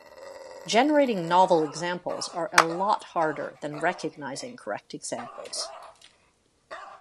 Generating novel examples are a lot harder than recognizing correct examples.